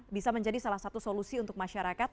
bisa menjadi salah satu solusi untuk masyarakat